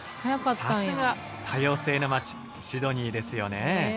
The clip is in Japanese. さすが多様性の街・シドニーですよね。